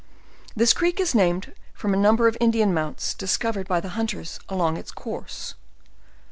This creek is named from a num ber of Indian mounts discovered by the hunters along its course.